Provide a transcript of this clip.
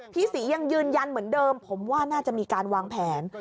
พี่ศรียังยืนยันเหมือนเดิมผมว่าน่าจะมีการวางแผน